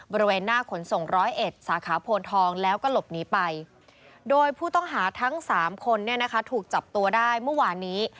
บริเวณหน้าขนส่งร้อยเอ็ดสาขาโพนทองแล้วก็หลบหนีไปโดยผู้ต้องหาทั้ง๓คนเนี่ยนะคะถูกจับตัวได้เมื่อวานนี้